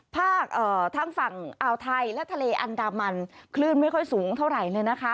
ภาคทั้งฝั่งอ่าวไทยและทะเลอันดามันคลื่นไม่ค่อยสูงเท่าไหร่เลยนะคะ